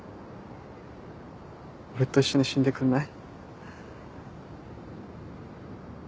俺と一緒に死んでくんない？